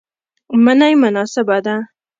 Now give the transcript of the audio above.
منی مناسبه ده